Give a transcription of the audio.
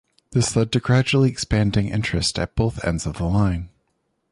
This led to gradually expanding interests at both ends of the line.